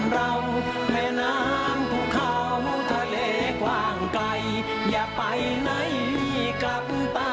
เหมือนดั่งคนปักตายในท้อชีวา